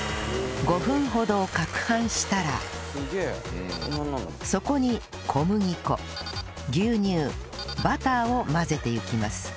５分ほど攪拌したらそこに小麦粉牛乳バターを混ぜていきます